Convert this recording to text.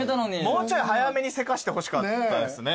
もうちょい早めにせかしてほしかったですね。